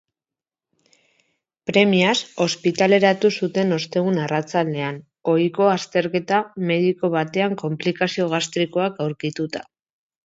Premiaz ospitaleratu zuten ostegun arratsaldean, ohiko azterketa mediko batean konplikazio gastrikoak aurkituta.